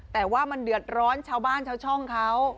แต่ว่ามันเดือดร้อนชาวบ้านชาวช่องเขา